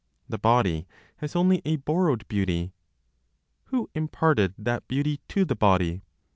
The body has only a borrowed beauty. Who imparted that beauty to the body?